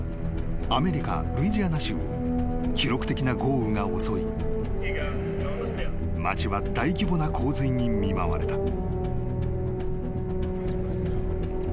［アメリカルイジアナ州を記録的な豪雨が襲い町は大規模な洪水に見舞われた］